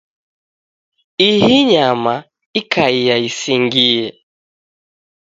Ihi nyama ikaia isingie.